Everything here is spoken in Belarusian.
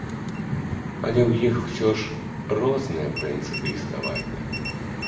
Але ў іх усё ж розныя прынцыпы існавання.